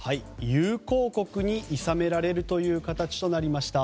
友好国にいさめられるという形となりました。